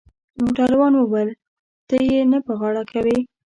موټروان وویل: ته يې نه په غاړه کوې؟